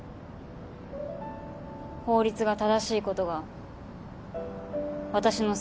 法律が正しいことが私の救いだから。